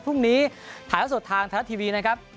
พรุ่งนี้ถ่ายแล้วสดทางไทยรัฐทีวีนะครับ